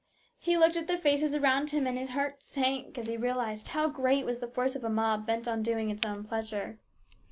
He looked at the faces around him, and his heart sank as he realised how great was the force of a mob bent on doing its own pleasure.